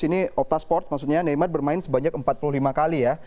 ini opta sport maksudnya neymar bermain sebanyak empat puluh lima kali ya